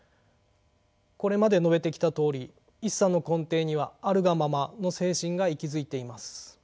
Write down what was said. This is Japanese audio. これまで述べてきたとおり一茶の根底には「あるがまま」の精神が息づいています。